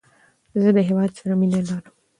زه د هیواد سره مینه لرم.